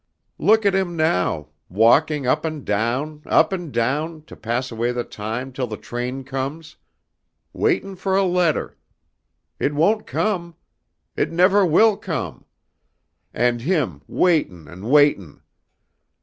"Look at him now. Walkin' up and down, up and down, to pass away the time till the train comes. Waitin' for a letter. It won't come. It never will come. And him waitin' and waitin'.